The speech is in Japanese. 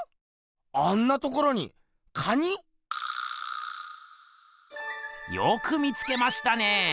あんなところに蟹⁉よく見つけましたね！